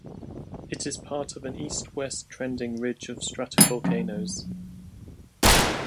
It is part of an east-west trending ridge of stratovolcanoes.